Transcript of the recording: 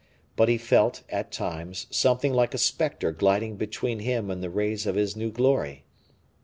But he felt, at times, something like a specter gliding between him and the rays of his new glory.